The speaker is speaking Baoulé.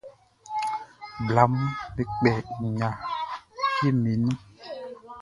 Blaʼm be kpɛ nɲa fieʼm be nun.